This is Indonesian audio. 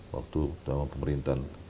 waktu sama pemerintahan